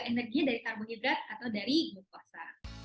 energi dari karbohidrat atau dari glukosa